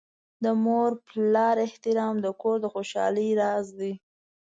د مور پلار احترام د کور د خوشحالۍ راز دی.